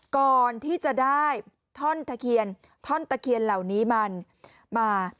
ก่อนที่จะได้ท่อนตะเคียนท่อนตะเคียนเหล่านี้มันมา